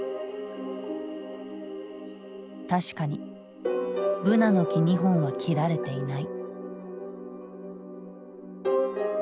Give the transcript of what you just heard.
確かにブナの木２本は切られていない。